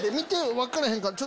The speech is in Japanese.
分からへんか。